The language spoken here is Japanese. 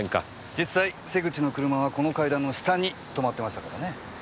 実際瀬口の車はこの階段の下に止まってましたからね。